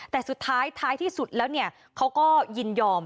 แต่สุดท้ายท้ายที่สุดแล้วเนี่ยเขาก็ยินยอม